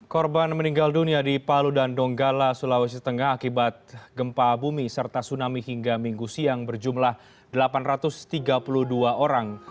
korban meninggal dunia di palu dan donggala sulawesi tengah akibat gempa bumi serta tsunami hingga minggu siang berjumlah delapan ratus tiga puluh dua orang